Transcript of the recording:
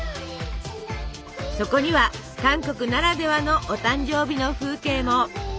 そこには韓国ならではのお誕生日の風景も！